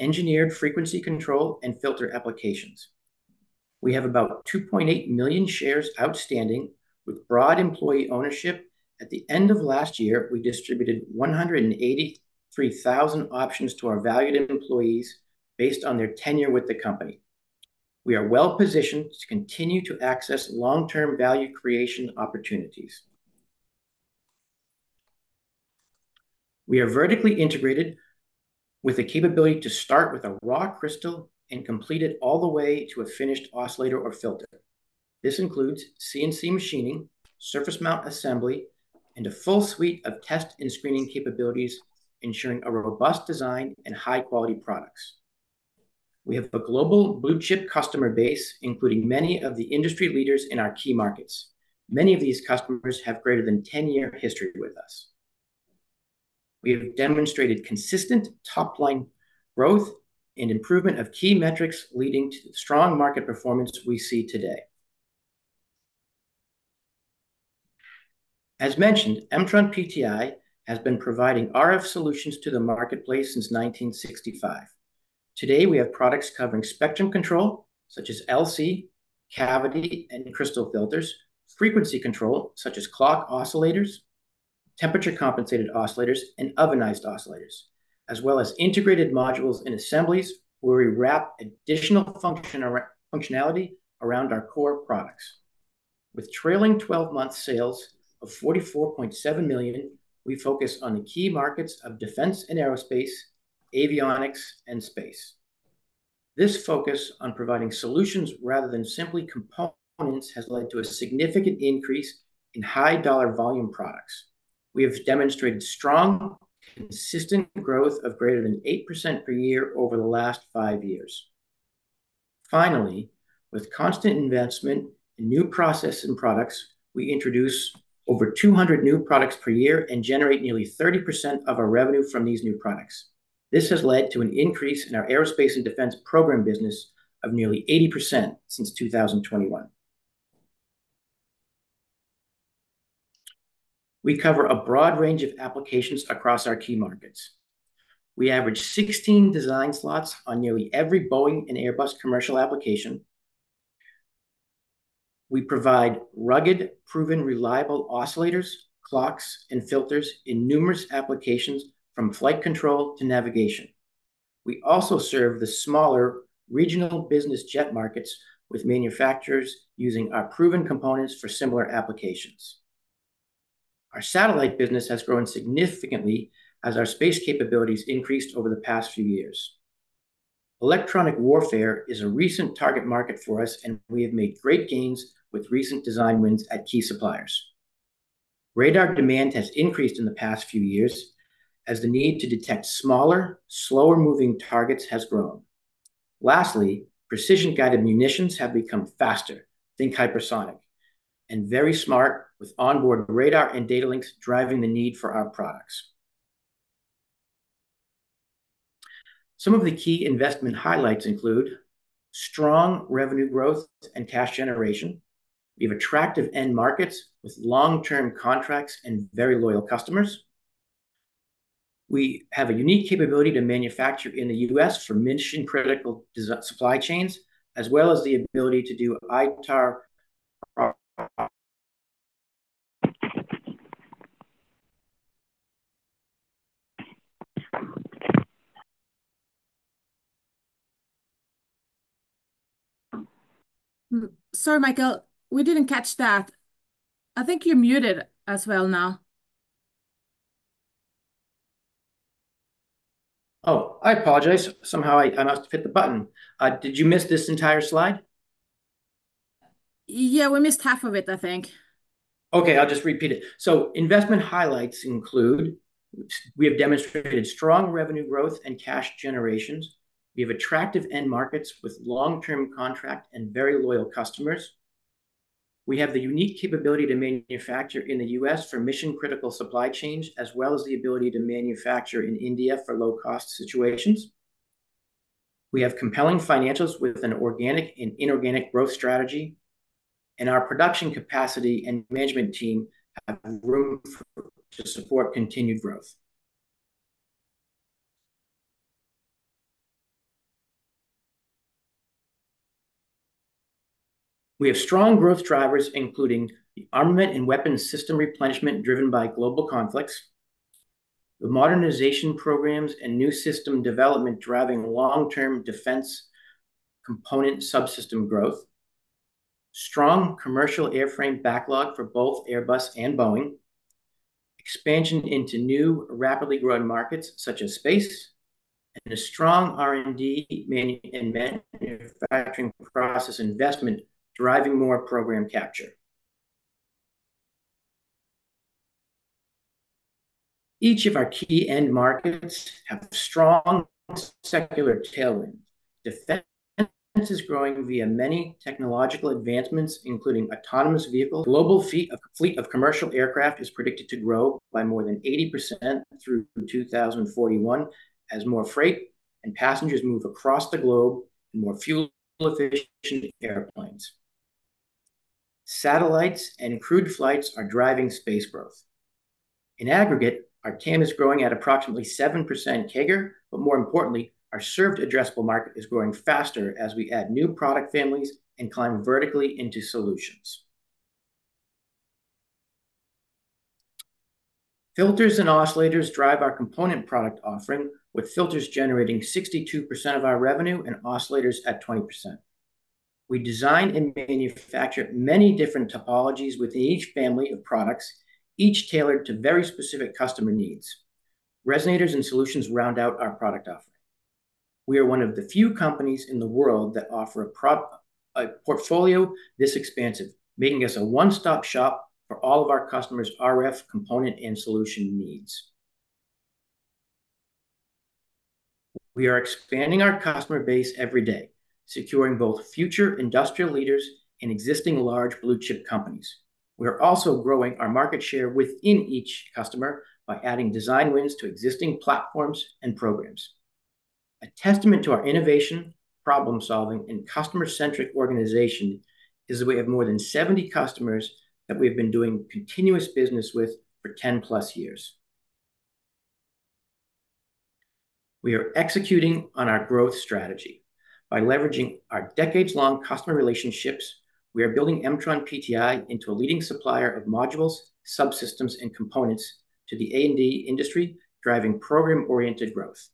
Engineered frequency control and filter applications. We have about 2.8 million shares outstanding, with broad employee ownership. At the end of last year, we distributed 183,000 options to our valued employees based on their tenure with the company. We are well-positioned to continue to access long-term value creation opportunities. We are vertically integrated, with the capability to start with a raw crystal and complete it all the way to a finished oscillator or filter. This includes CNC machining, surface mount assembly, and a full suite of test and screening capabilities, ensuring a robust design and high-quality products. We have a global blue-chip customer base, including many of the industry leaders in our key markets. Many of these customers have greater than 10-year history with us. We have demonstrated consistent top-line growth and improvement of key metrics, leading to the strong market performance we see today. As mentioned, MtronPTI has been providing RF solutions to the marketplace since nineteen sixty-five. Today, we have products covering spectrum control, such as LC, cavity, and crystal filters, frequency control, such as clock oscillators, temperature-compensated oscillators, and ovenized oscillators, as well as integrated modules and assemblies, where we wrap additional functionality around our core products. With trailing twelve-month sales of $44.7 million, we focus on the key markets of defense and aerospace, avionics, and space. This focus on providing solutions rather than simply components has led to a significant increase in high-dollar volume products. We have demonstrated strong, consistent growth of greater than 8% per year over the last five years. Finally, with constant investment in new process and products, we introduce over 200 new products per year and generate nearly 30% of our revenue from these new products. This has led to an increase in our aerospace and defense program business of nearly 80% since 2021. We cover a broad range of applications across our key markets. We average 16 design slots on nearly every Boeing and Airbus commercial application. We provide rugged, proven, reliable oscillators, clocks, and filters in numerous applications, from flight control to navigation. We also serve the smaller regional business jet markets, with manufacturers using our proven components for similar applications. Our satellite business has grown significantly as our space capabilities increased over the past few years. Electronic warfare is a recent target market for us, and we have made great gains with recent design wins at key suppliers. Radar demand has increased in the past few years as the need to detect smaller, slower-moving targets has grown. Lastly, precision-guided munitions have become faster, think hypersonic, and very smart, with onboard radar and data links driving the need for our products. Some of the key investment highlights include strong revenue growth and cash generation. We have attractive end markets with long-term contracts and very loyal customers. We have a unique capability to manufacture in the U.S. for mission-critical defense supply chains, as well as the ability to do ITAR- Sorry, Michael, we didn't catch that. I think you're muted as well now. Oh, I apologize. Somehow I must have hit the button. Did you miss this entire slide? Yeah, we missed half of it, I think. Okay, I'll just repeat it. So investment highlights include: we have demonstrated strong revenue growth and cash generation. We have attractive end markets with long-term contract and very loyal customers. We have the unique capability to manufacture in the U.S. for mission-critical supply chains, as well as the ability to manufacture in India for low-cost situations. We have compelling financials with an organic and inorganic growth strategy, and our production capacity and management team have room to support continued growth. We have strong growth drivers, including the armament and weapons system replenishment driven by global conflicts, the modernization programs and new system development driving long-term defense component subsystem growth, strong commercial airframe backlog for both Airbus and Boeing, expansion into new, rapidly growing markets such as space, and a strong R&D and manufacturing process investment driving more program capture. Each of our key end markets have strong secular tailwinds. Defense is growing via many technological advancements, including autonomous vehicle. Global fleet of commercial aircraft is predicted to grow by more than 80% through 2041 as more freight and passengers move across the globe in more fuel-efficient airplanes. Satellites and crewed flights are driving space growth. In aggregate, our TAM is growing at approximately 7% CAGR, but more importantly, our served addressable market is growing faster as we add new product families and climb vertically into solutions. Filters and oscillators drive our component product offering, with filters generating 62% of our revenue and oscillators at 20%. We design and manufacture many different topologies within each family of products, each tailored to very specific customer needs. Resonators and solutions round out our product offering. We are one of the few companies in the world that offer a portfolio this expansive, making us a one-stop shop for all of our customers' RF component and solution needs. We are expanding our customer base every day, securing both future industrial leaders and existing large blue-chip companies. We are also growing our market share within each customer by adding design wins to existing platforms and programs. A testament to our innovation, problem-solving, and customer-centric organization is that we have more than seventy customers that we've been doing continuous business with for ten plus years. We are executing on our growth strategy. By leveraging our decades-long customer relationships, we are building MtronPTI into a leading supplier of modules, subsystems, and components to the A&D industry, driving program-oriented growth.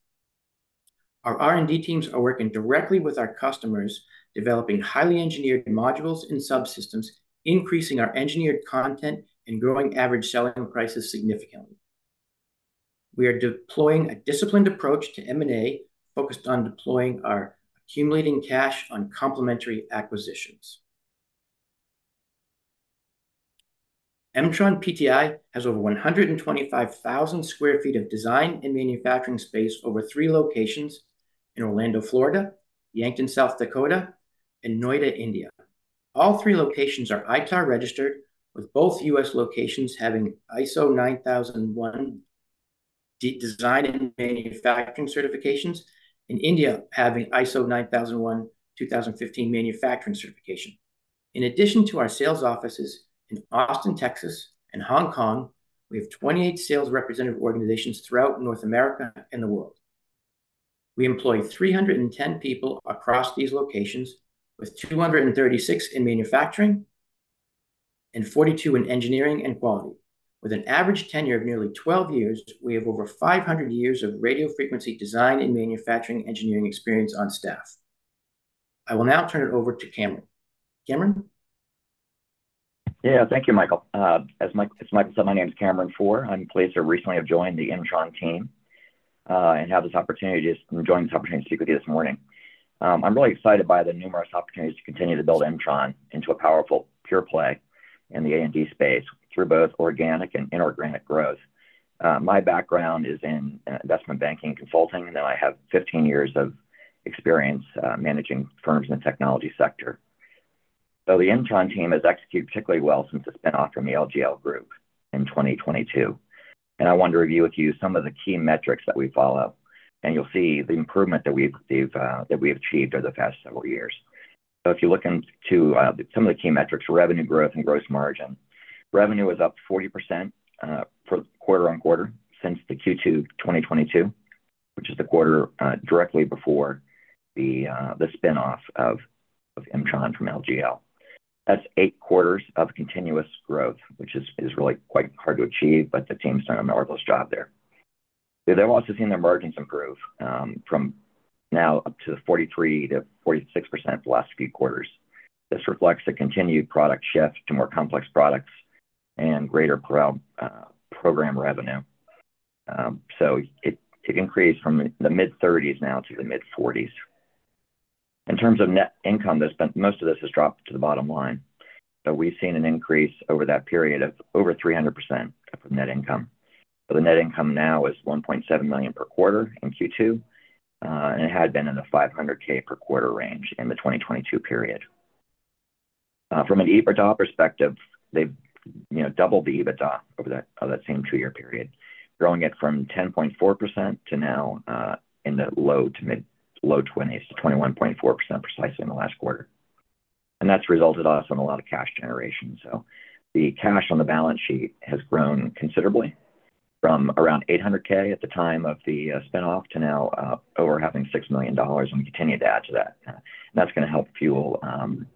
Our R&D teams are working directly with our customers, developing highly engineered modules and subsystems, increasing our engineered content and growing average selling prices significantly. We are deploying a disciplined approach to M&A, focused on deploying our accumulating cash on complementary acquisitions. MtronPTI has over 125,000 sq ft of design and manufacturing space over three locations in Orlando, Florida, Yankton, South Dakota, and Noida, India. All three locations are ITAR registered, with both U.S. locations having ISO 9001 design and manufacturing certifications, and India having ISO 9001:2015 manufacturing certification. In addition to our sales offices in Austin, Texas, and Hong Kong, we have 28 sales representative organizations throughout North America and the world. We employ 310 people across these locations, with 236 in manufacturing and 42 in engineering and quality. With an average tenure of nearly 12 years, we have over 500 years of radio frequency design and manufacturing engineering experience on staff. I will now turn it over to Cameron. Cameron? Yeah. Thank you, Michael. As Michael said, my name is Cameron Pforr. I'm pleased to recently have joined the M-tron team and have this opportunity to speak with you this morning. I'm really excited by the numerous opportunities to continue to build M-tron into a powerful pure play in the A&D space through both organic and inorganic growth. My background is in investment banking and consulting, and then I have 15 years of experience managing firms in the technology sector. So the M-tron team has executed particularly well since the spin off from the LGL Group in 2022, and I want to review with you some of the key metrics that we follow, and you'll see the improvement that we've achieved over the past several years. If you look into some of the key metrics, revenue growth and gross margin. Revenue was up 40%, per quarter on quarter since the Q2 2022, which is the quarter directly before the spin-off of M-tron from LGL. That's eight quarters of continuous growth, which is really quite hard to achieve, but the team's done a marvelous job there. They've also seen their margins improve from now up to 43%-46% for the last few quarters. This reflects a continued product shift to more complex products and greater program revenue. So it increased from the mid-thirties to the mid-forties. In terms of net income, this but most of this has dropped to the bottom line, but we've seen an increase over that period of over 300% of net income. So the net income now is $1.7 million per quarter in Q2, and it had been in the $500K per quarter range in the 2022 period. From an EBITDA perspective, they've, you know, doubled the EBITDA over that same two-year period, growing it from 10.4% to now in the low- to mid-20s, to 21.4% precisely in the last quarter. And that's resulted also in a lot of cash generation. So the cash on the balance sheet has grown considerably from around $800K at the time of the spin-off to now over $6 million, and we continue to add to that. And that's gonna help fuel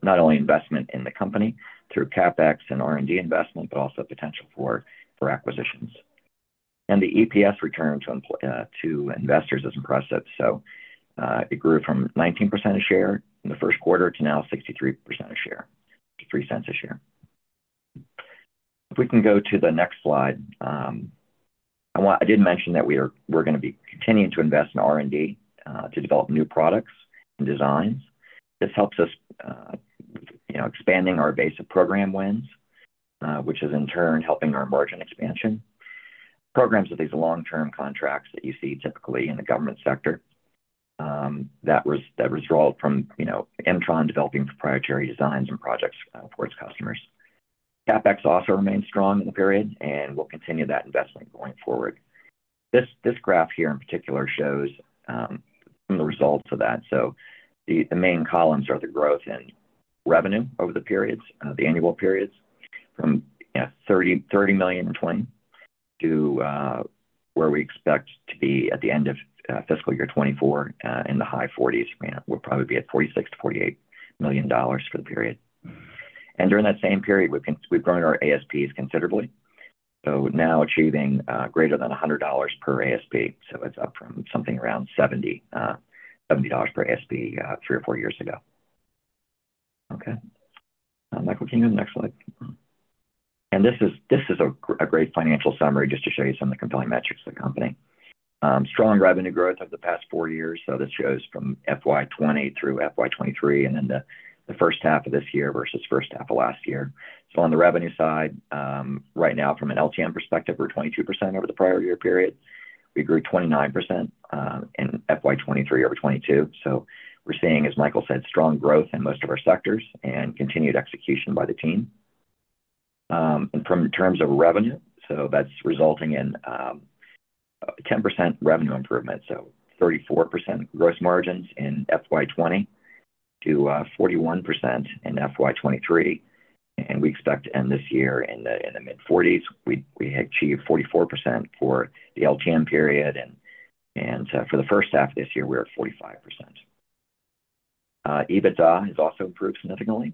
not only investment in the company through CapEx and R&D investment, but also potential for acquisitions. And the EPS return to investors is impressive. So, it grew from 19% a share in the first quarter to now 63 a share, to $0.03 a share. If we can go to the next slide, I want. I did mention that we're gonna be continuing to invest in R&D to develop new products and designs. This helps us, you know, expanding our base of program wins, which is in turn helping our margin expansion. Programs are these long-term contracts that you see typically in the government sector, that result from, you know, M-tron developing proprietary designs and projects for its customers. CapEx also remained strong in the period, and we'll continue that investment going forward. This graph here in particular shows some of the results of that. So the main columns are the growth in revenue over the periods, the annual periods, from $30 million in 2020 to where we expect to be at the end of fiscal year 2024 in the high forties. You know, we'll probably be at $46-$48 million for the period. And during that same period, we've grown our ASPs considerably, so we're now achieving greater than $100 per ASP. So it's up from something around $70 per ASP three or four years ago. Okay. Michael, can you go to the next slide? And this is a great financial summary just to show you some of the compelling metrics of the company. Strong revenue growth over the past four years, so this shows from FY 2020 through FY 2023, and then the first half of this year versus first half of last year. On the revenue side, right now, from an LTM perspective, we're 22% over the prior year period. We grew 29% in FY 2023 over 2022. We're seeing, as Michael said, strong growth in most of our sectors and continued execution by the team. In terms of revenue, that's resulting in 10% revenue improvement, so 34% gross margins in FY 2020 to 41% in FY 2023, and we expect to end this year in the mid-forties. We had achieved 44% for the LTM period, and so for the first half of this year, we're at 45%. EBITDA has also improved significantly.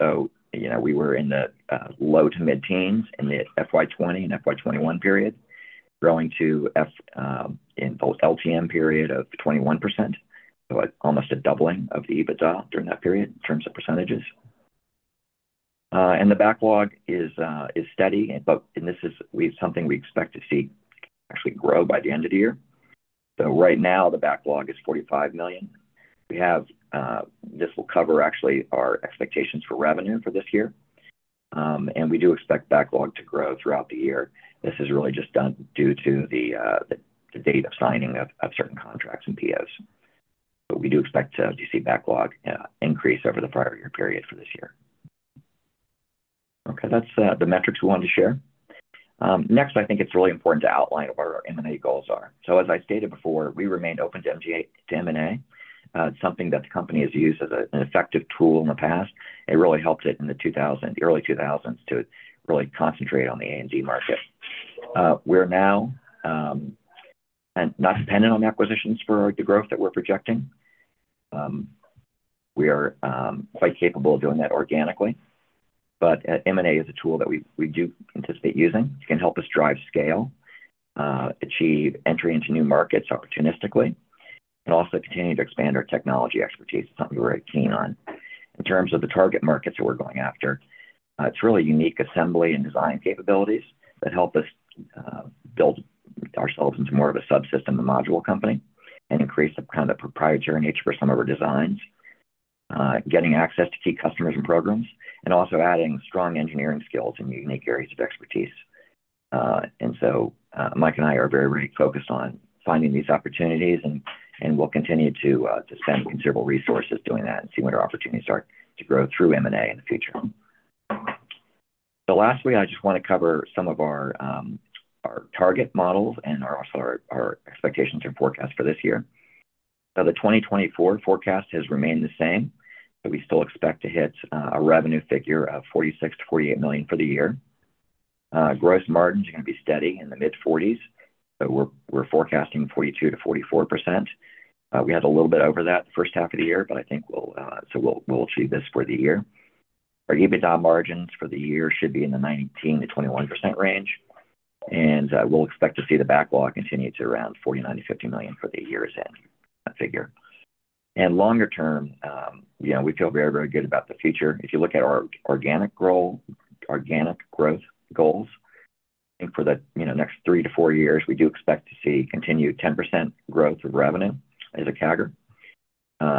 You know, we were in the low to mid-teens in the FY 2020 and FY 2021 period, growing to, in both LTM period of 21%, so, like, almost a doubling of the EBITDA during that period in terms of percentages. And the backlog is steady, and this is something we expect to see actually grow by the end of the year. Right now, the backlog is $45 million. We have this will cover actually our expectations for revenue for this year, and we do expect backlog to grow throughout the year. This is really just done due to the date of signing of certain contracts and POs. But we do expect to see backlog increase over the prior year period for this year. Okay, that's the metrics we wanted to share. Next, I think it's really important to outline what our M&A goals are, so as I stated before, we remain open to M&A. It's something that the company has used as an effective tool in the past. It really helped it in the early 2000s to really concentrate on the A&D market. We're now and not dependent on the acquisitions for the growth that we're projecting. We are quite capable of doing that organically, but M&A is a tool that we do anticipate using. It can help us drive scale, achieve entry into new markets opportunistically, and also continue to expand our technology expertise. It's something we're very keen on. In terms of the target markets that we're going after, it's really unique assembly and design capabilities that help us build ourselves into more of a subsystem and module company, and increase the kind of proprietary nature for some of our designs. Getting access to key customers and programs, and also adding strong engineering skills in unique areas of expertise, and so Mike and I are very, very focused on finding these opportunities, and we'll continue to spend considerable resources doing that and see what our opportunities are to grow through M&A in the future, so lastly I just wanna cover some of our target models and also our expectations and forecast for this year. Now, the 2024 forecast has remained the same, but we still expect to hit a revenue figure of $46-48 million for the year. Gross margins are gonna be steady in the mid-40s, but we're, we're forecasting 42%-44%. We had a little bit over that first half of the year, but I think we'll so we'll, we'll achieve this for the year. Our EBITDA margins for the year should be in the 19%-21% range, and we'll expect to see the backlog continue to around $49-50 million for the year as in that figure. Longer term, you know, we feel very, very good about the future. If you look at our organic goal- organic growth goals, I think for the, you know, next three to four years, we do expect to see continued 10% growth of revenue as a CAGR.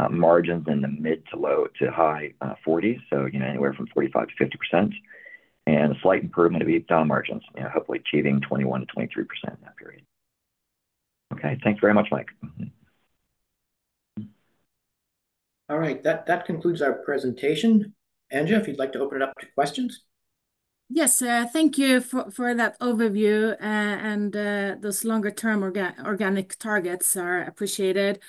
Margins in the mid to low to high, uh, forties, so, you know, anywhere from 45%-50%, and a slight improvement of EBITDA margins, you know, hopefully achieving 21%-23% in that period. Okay, thanks very much, Mike. All right, that concludes our presentation. Anja, if you'd like to open it up to questions? Yes, thank you for that overview, and those longer-term organic targets are appreciated.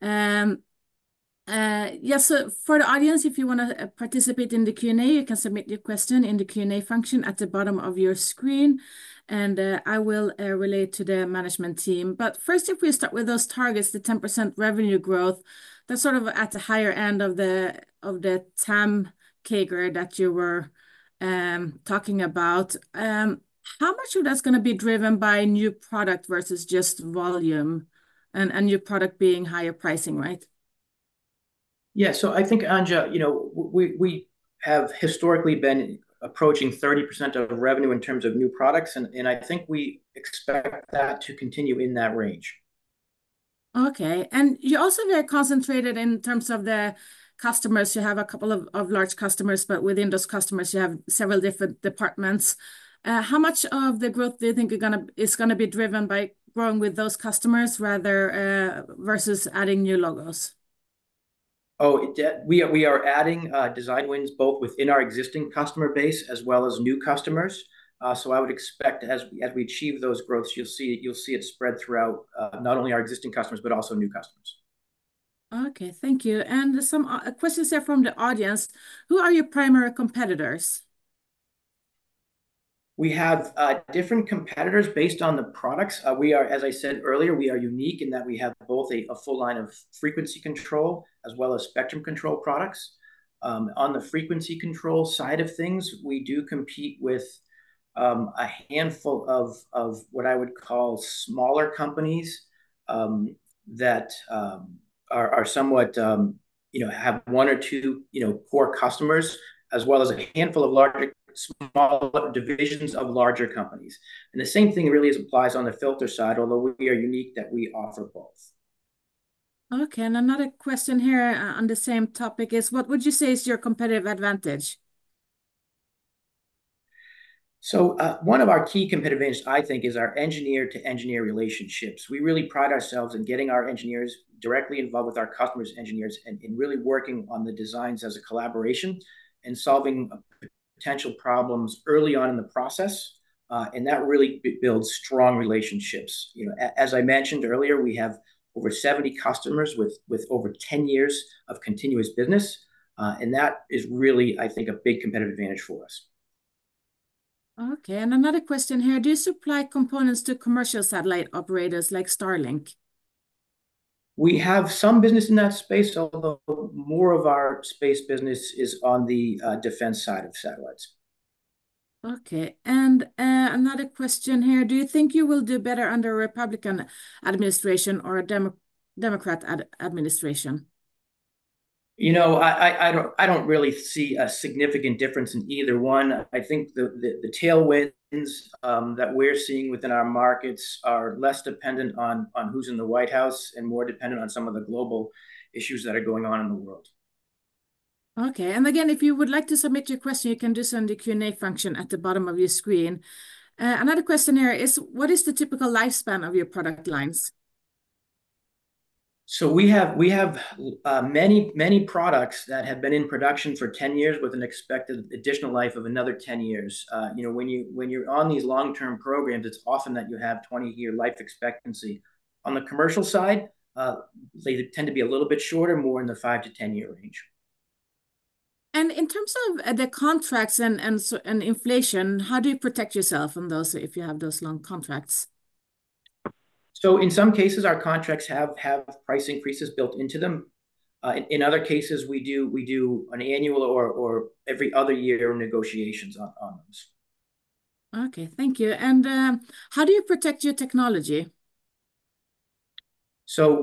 Yes, so for the audience, if you wanna participate in the Q&A, you can submit your question in the Q&A function at the bottom of your screen, and I will relay it to the management team. But first, if we start with those targets, the 10% revenue growth, that's sort of at the higher end of the TAM CAGR that you were talking about. How much of that's gonna be driven by new product versus just volume, and new product being higher pricing, right? Yeah, so I think, Anja, you know, we have historically been approaching 30% of revenue in terms of new products, and I think we expect that to continue in that range. Okay, and you're also very concentrated in terms of the customers. You have a couple of large customers, but within those customers, you have several different departments. How much of the growth do you think is gonna be driven by growing with those customers rather versus adding new logos?... Oh, we are adding design wins both within our existing customer base as well as new customers. So I would expect as we achieve those growths, you'll see it spread throughout not only our existing customers, but also new customers. Okay, thank you. And some questions here from the audience: "Who are your primary competitors? We have different competitors based on the products. We are, as I said earlier, we are unique in that we have both a full line of frequency control as well as spectrum control products. On the frequency control side of things, we do compete with a handful of what I would call smaller companies that are somewhat, you know, have one or two, you know, core customers, as well as a handful of larger smaller divisions of larger companies. And the same thing really applies on the filter side, although we are unique that we offer both. Okay, and another question here, on the same topic is: "What would you say is your competitive advantage? So, one of our key competitive advantages, I think, is our engineer-to-engineer relationships. We really pride ourselves in getting our engineers directly involved with our customers' engineers, and really working on the designs as a collaboration, and solving potential problems early on in the process. And that really builds strong relationships. You know, as I mentioned earlier, we have over 70 customers with over 10 years of continuous business, and that is really, I think, a big competitive advantage for us. Okay, and another question here: "Do you supply components to commercial satellite operators like Starlink? We have some business in that space, although more of our space business is on the defense side of satellites. Okay, and another question here: "Do you think you will do better under a Republican administration or a Democratic administration? You know, I don't really see a significant difference in either one. I think the tailwinds that we're seeing within our markets are less dependent on who's in the White House, and more dependent on some of the global issues that are going on in the world. Okay, and again, if you would like to submit your question, you can do so in the Q&A function at the bottom of your screen. Another question here is: "What is the typical lifespan of your product lines? We have many, many products that have been in production for 10 years, with an expected additional life of another 10 years. You know, when you're on these long-term programs, it's often that you have 20-year life expectancy. On the commercial side, they tend to be a little bit shorter, more in the five-to-10-year range. In terms of the contracts and so inflation, how do you protect yourself from those if you have those long contracts? In some cases, our contracts have price increases built into them. In other cases, we do an annual or every other year negotiations on those. Okay, thank you. And, how do you protect your technology?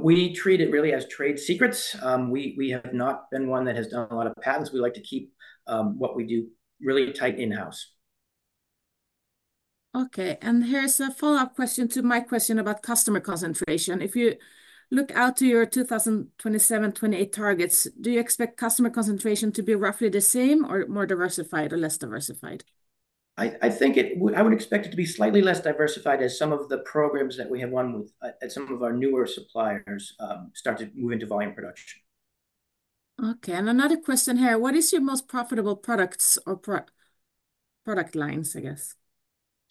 We treat it really as trade secrets. We have not been one that has done a lot of patents. We like to keep what we do really tight in-house. Okay, and here's a follow-up question to my question about customer concentration: "If you look out to your 2027, 2028 targets, do you expect customer concentration to be roughly the same, or more diversified, or less diversified? I would expect it to be slightly less diversified as some of the programs that we have won with and some of our newer suppliers start to move into volume production. Okay, and another question here: "What is your most profitable products or product lines?" I guess.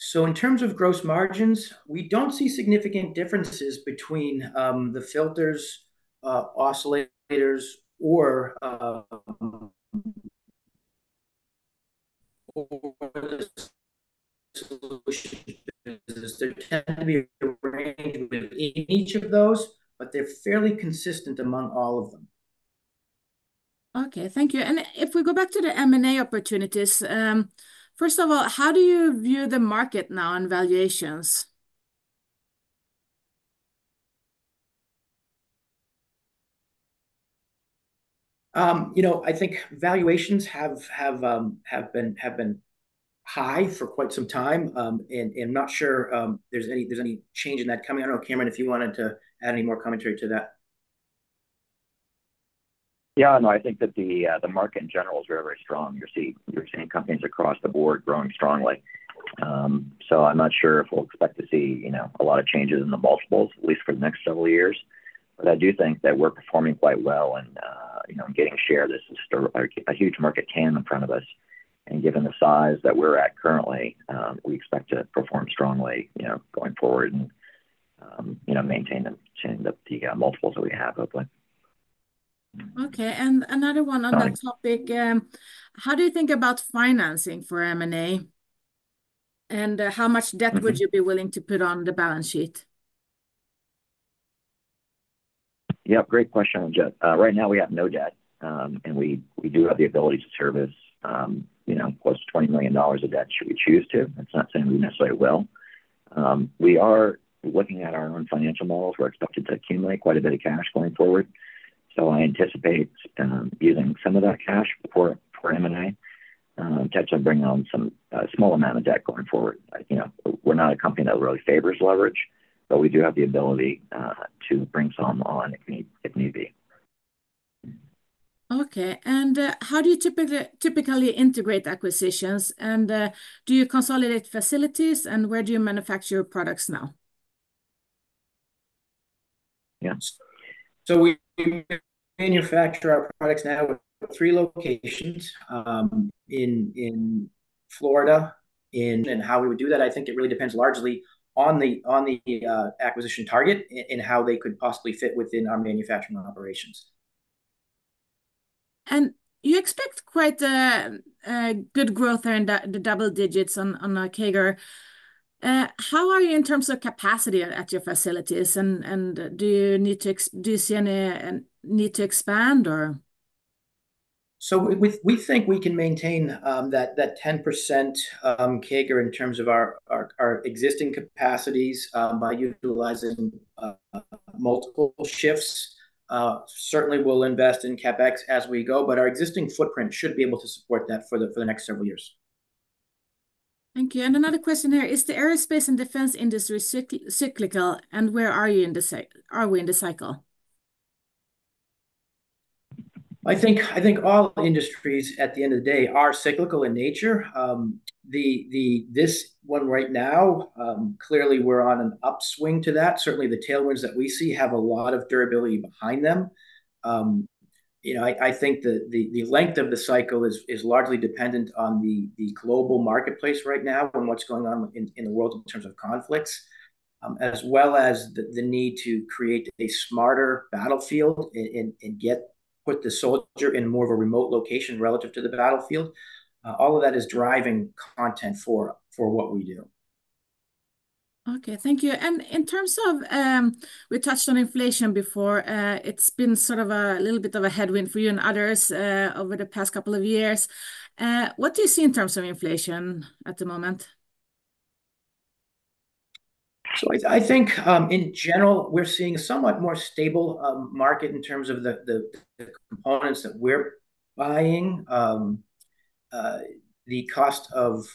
So in terms of gross margins, we don't see significant differences between the filters, oscillators, or solutions. There tend to be a range in each of those, but they're fairly consistent among all of them. Okay, thank you. And if we go back to the M&A opportunities, first of all, how do you view the market now on valuations? You know, I think valuations have been high for quite some time. I'm not sure there's any change in that coming. I don't know, Cameron, if you wanted to add any more commentary to that. Yeah, no, I think that the market in general is very, very strong. You're seeing companies across the board growing strongly. So I'm not sure if we'll expect to see, you know, a lot of changes in the multiples, at least for the next several years. But I do think that we're performing quite well and, you know, getting a share. This is still a huge market tangent in front of us, and given the size that we're at currently, we expect to perform strongly, you know, going forward and, you know, maintain the multiples that we have, hopefully. Okay, and another one on that- Sorry... topic, "How do you think about financing for M&A, and, how much debt- Mm-hmm... would you be willing to put on the balance sheet? Yeah, great question on debt. Right now we have no debt, and we do have the ability to service, you know, close to $20 million of debt, should we choose to. That's not saying we necessarily will. We are looking at our own financial models. We're expected to accumulate quite a bit of cash going forward, so I anticipate using some of that cash for M&A, potentially bring on some small amount of debt going forward. You know, we're not a company that really favors leverage, but we do have the ability to bring some on if need be. Okay, and, how do you typically integrate acquisitions? And, do you consolidate facilities, and where do you manufacture products now?... Yeah, so we manufacture our products now in three locations in Florida. And how we would do that, I think it really depends largely on the acquisition target and how they could possibly fit within our manufacturing operations. And you expect quite a good growth there in the double digits on our CAGR. How are you in terms of capacity at your facilities, and do you see any need to expand or? So we think we can maintain that 10% CAGR in terms of our existing capacities by utilizing multiple shifts. Certainly we'll invest in CapEx as we go, but our existing footprint should be able to support that for the next several years. Thank you. And another question here: Is the aerospace and defense industry cyclical, and where are you in the cycle? Are we in the cycle? I think all industries, at the end of the day, are cyclical in nature. This one right now, clearly we're on an upswing to that. Certainly, the tailwinds that we see have a lot of durability behind them. You know, I think the length of the cycle is largely dependent on the global marketplace right now and what's going on in the world in terms of conflicts, as well as the need to create a smarter battlefield and put the soldier in more of a remote location relative to the battlefield. All of that is driving content for what we do. Okay, thank you. And in terms of... We touched on inflation before. It's been sort of a little bit of a headwind for you and others over the past couple of years. What do you see in terms of inflation at the moment? So I think in general, we're seeing a somewhat more stable market in terms of the components that we're buying. The cost of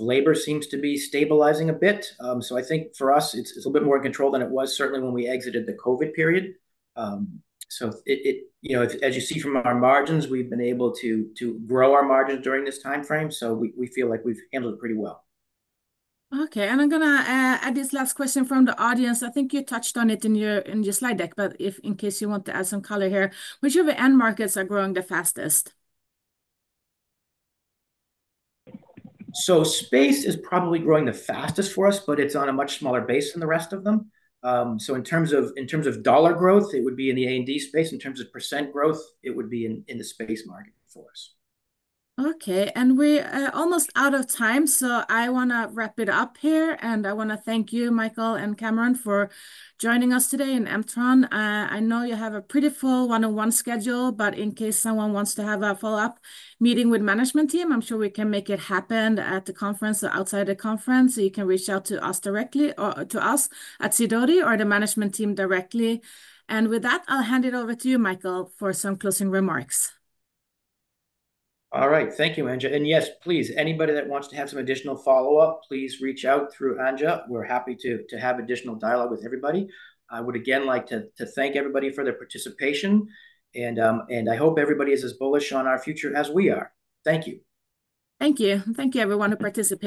labor seems to be stabilizing a bit. So I think for us, it's a bit more in control than it was certainly when we exited the COVID period. So it... You know, as you see from our margins, we've been able to grow our margins during this timeframe, so we feel like we've handled it pretty well. Okay, and I'm gonna add this last question from the audience. I think you touched on it in your slide deck, but if in case you want to add some color here: Which of your end markets are growing the fastest? So space is probably growing the fastest for us, but it's on a much smaller base than the rest of them. So in terms of dollar growth, it would be in the A&D space. In terms of percent growth, it would be in the space market for us. Okay, and we are almost out of time, so I wanna wrap it up here, and I wanna thank you, Michael and Cameron, for joining us today, and M-tron. I know you have a pretty full one-on-one schedule, but in case someone wants to have a follow-up meeting with management team, I'm sure we can make it happen at the conference or outside the conference. So you can reach out to us directly, or to us at Sidoti or the management team directly. And with that, I'll hand it over to you, Michael, for some closing remarks. All right. Thank you, Anja, and yes, please, anybody that wants to have some additional follow-up, please reach out through Anja. We're happy to have additional dialogue with everybody. I would again like to thank everybody for their participation, and and I hope everybody is as bullish on our future as we are. Thank you. Thank you. Thank you everyone who participated.